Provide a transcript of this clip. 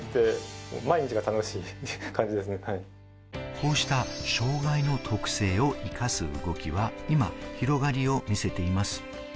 こうした障害の特性を生かす動きは今、広がりを見せています。